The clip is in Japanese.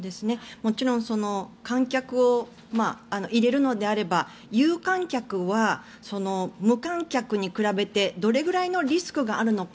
もちろん観客を入れるのであれば有観客は無観客に比べてどれぐらいのリスクがあるのか。